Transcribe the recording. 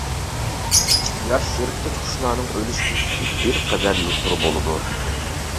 ياش يىرتقۇچ قۇشلارنىڭ ئۆلۈش نىسبىتى بىر قەدەر يۇقىرى بولىدۇ.